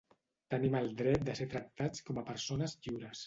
Tenim el dret de ser tractats com a persones lliures.